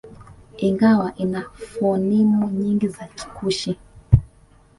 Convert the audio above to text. Ingawa ina fonimu nyingi za Kikushi